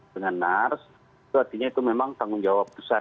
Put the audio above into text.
dengan nars itu artinya memang tanggung jawab pusat